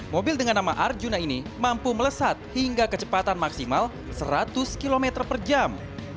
mobil dengan nama arjuna ini mampu melesat hingga kecepatan maksimal seratus km per jam